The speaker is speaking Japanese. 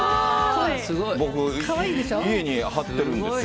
僕、家に貼ってるんですよ。